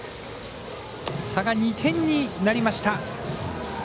差が２点になりました。